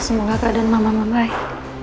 semoga kak dan mama membaik